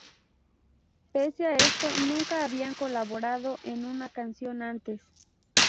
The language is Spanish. Pese a esto, nunca habían colaborado en una canción antes.